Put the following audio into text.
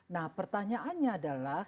nah pertanyaannya adalah